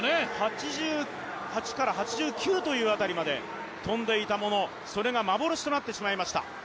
８８から８９というあたりまで飛んでいたもの、それが幻となってしまいました。